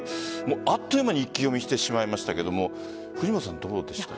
あっという間に一気読みしてしまいましたけども藤本さん、どうでしたか？